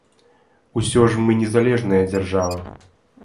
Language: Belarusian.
Усё ж мы незалежная дзяржава.